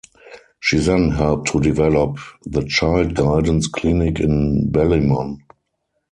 She then helped to develop the Child Guidance Clinic in Ballymun.